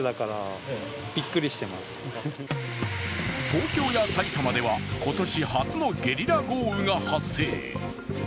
東京や埼玉では今年初のゲリラ豪雨が発生。